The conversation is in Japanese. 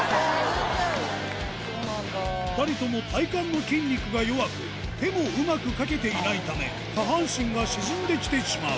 ２人とも体幹の筋肉が弱く、手もうまくかけていないため、下半身が沈んできてしまう。